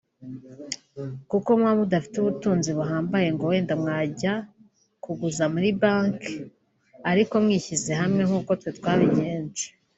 Kuko muba mudafite ubutunzi buhambaye ngo wenda mwajya kuguza muri banki ariko mwishyize hamwe nk’uko twe twabigenje